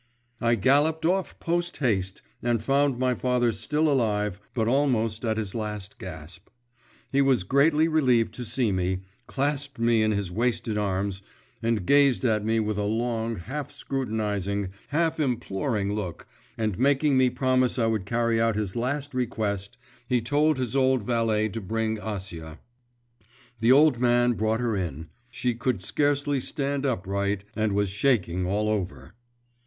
I galloped off post haste, and found my father still alive, but almost at his last gasp. He was greatly relieved to see me, clasped me in his wasted arms, and gazed at me with a long, half scrutinising, half imploring look, and making me promise I would carry out his last request, he told his old valet to bring Acia. The old man brought her in; she could scarcely stand upright, and was shaking all over.